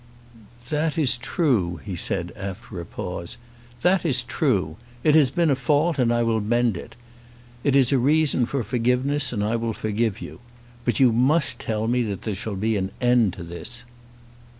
"That is true," he said, after a pause. "That is true. It has been a fault, and I will mend it. It is a reason for forgiveness, and I will forgive you. But you must tell me that there shall be an end to this."